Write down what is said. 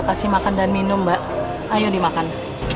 kasih makan dan minum mbak ayo dimakan